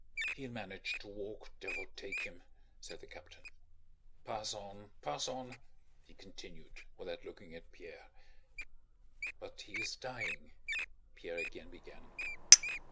"He'll manage to walk, devil take him!" said the captain. "Pass on, pass on!" he continued without looking at Pierre. "But he is dying," Pierre again began.